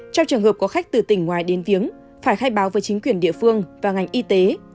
trong trường hợp có khách từ tỉnh ngoài đến viếng phải khai báo với chính quyền địa phương và ngành y tế